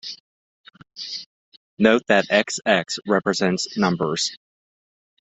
Note that xx represents numbers.